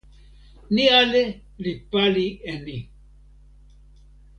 mi ale li pali e ni.